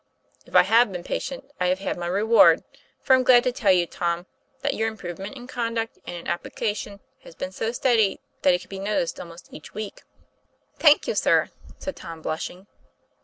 "If I have been patient, I have had my reward; for I'm glad to tell you, Tom, that your improve ment in conduct and in application has been so steady that it could be noticed almost each week." "Thank you, sir," said Tom, blushing.